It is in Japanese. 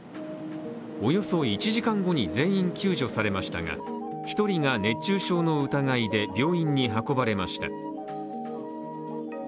およそ１時間後に全員救助されましたが、１人が熱中症の疑いで病院に運ばれました。